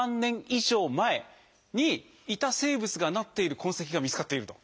以上前にいた生物がなっている痕跡が見つかっていると。